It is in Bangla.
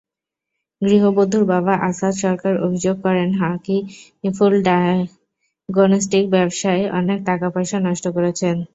গৃহবধূর বাবা আসাদ সরকার অভিযোগ করেন, হাকিফুল ডায়াগনস্টিক ব্যবসায় অনেক টাকাপয়সা নষ্ট করেছেন।